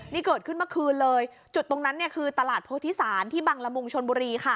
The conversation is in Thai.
นี่เกิดขึ้นเมื่อคืนเลยจุดตรงนั้นเนี่ยคือตลาดโพธิศาลที่บังละมุงชนบุรีค่ะ